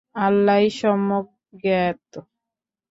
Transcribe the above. আল্লাহই সম্যক জ্ঞাত।